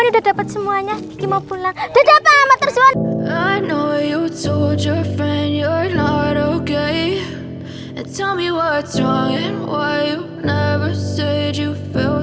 ini karya buat om baik karena aku undang undang ke sini jadi aku mau siapin makanan buat om baik